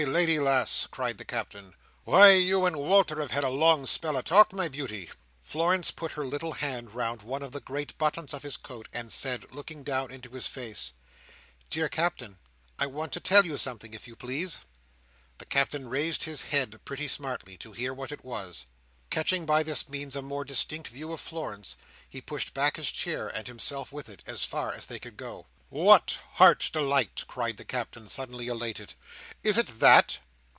lady lass!" cried the Captain. "Why, you and Wal"r have had a long spell o' talk, my beauty." Florence put her little hand round one of the great buttons of his coat, and said, looking down into his face: "Dear Captain, I want to tell you something, if you please. The Captain raised his head pretty smartly, to hear what it was. Catching by this means a more distinct view of Florence, he pushed back his chair, and himself with it, as far as they could go. "What! Heart's Delight!" cried the Captain, suddenly elated, "Is it that?"